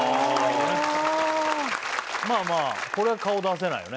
まあまあこれは顔出せないよね。